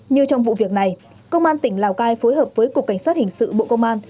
như trong vụ việc này công an tỉnh lào cai phối hợp với cục cảnh sát hình sự bộ công an